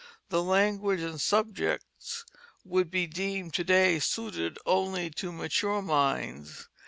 The language and subjects would be deemed to day suited only to mature minds.